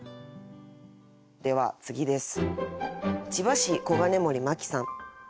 では次です。